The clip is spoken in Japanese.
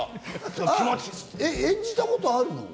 演じたことある？